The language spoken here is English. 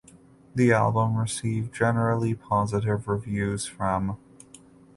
The album received generally positive reviews from.